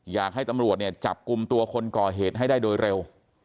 อยากให้ตำรวจเนี่ยจับกลุ่มตัวคนก่อเหตุให้ได้โดยเร็ว